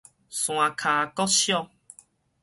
山跤國小